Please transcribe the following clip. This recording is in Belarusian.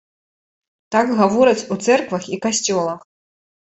Так гавораць у цэрквах і касцёлах.